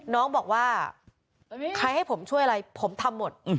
น้องบอกว่าใครให้ผมช่วยอะไรผมทำหมด